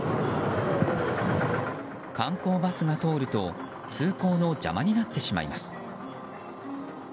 観光バスが通ると通行の邪魔になってしまいます。